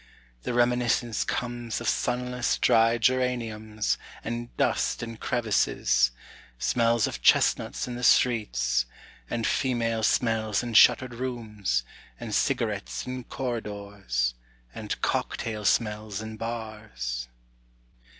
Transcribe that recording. The reminiscence comes Of sunless dry geraniums And dust in crevices, Smells of chestnuts in the streets, And female smells in shuttered rooms, And cigarettes in corridors And cocktail smells in bars.